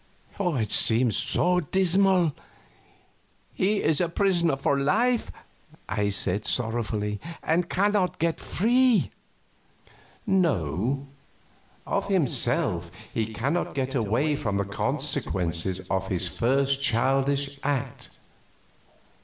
It seemed so dismal! "He is a prisoner for life," I said sorrowfully, "and cannot get free." "No, of himself he cannot get away from the consequences of his first childish act.